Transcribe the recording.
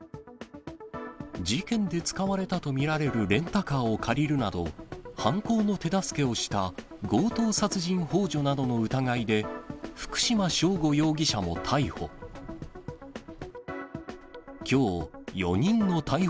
事件で使われたと見られるレンタカーを借りるなど、犯行の手助けをした強盗殺人ほう助などの疑いで、福島聖悟容疑者も逮捕。